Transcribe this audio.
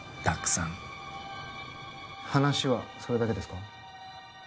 たくさん話はそれだけですか？